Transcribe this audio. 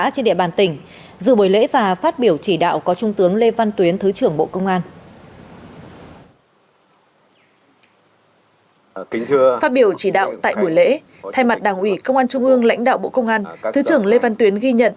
tại buổi lễ thay mặt đảng ủy công an trung hương lãnh đạo bộ công an thứ trưởng lê văn tuyến ghi nhận